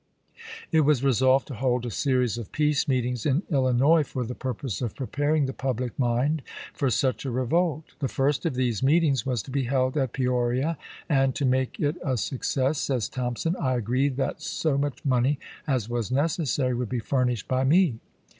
It was resolved to hold a AreMves. series of peace meetings in Illinois for the purpose of preparing the public mind for such a revolt. The first of these meetings was to be held at Peoria, and "to make it a success," says Thompson, "I agreed that so much money as was necessary would be furnished by me."